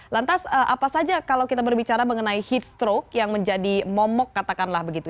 lantas apa saja kalau kita berbicara mengenai heat stroke yang menjadi momok katakanlah begitu